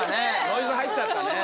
ノイズ入っちゃったね